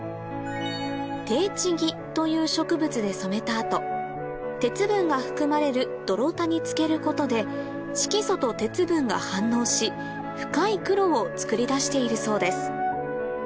テーチ木という植物で染めた後鉄分が含まれる泥田に漬けることで色素と鉄分が反応し深い黒をつくりだしているそうです